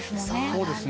そうですね。